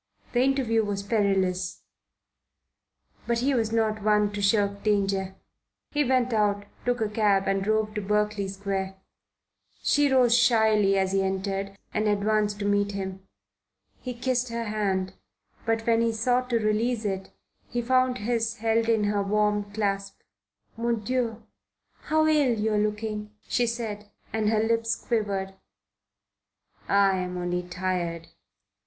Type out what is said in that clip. The interview was perilous; but he was not one to shirk danger. He went out, took a cab and drove to Berkeley Square. She rose shyly as he entered and advanced to meet him. He kissed her hand, but when he sought to release it he found his held in her warm clasp. "Mon Dieu! How ill you are looking!" she said, and her lips quivered. "I'm only tired."